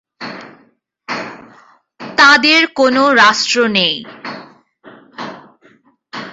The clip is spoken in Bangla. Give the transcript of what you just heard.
তাদের কোনো রাষ্ট্র নেই।